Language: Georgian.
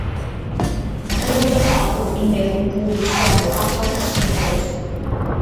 მღეროდა კახურ, იმერულ, გურულ, სვანურ, აფხაზურ სიმღერებს.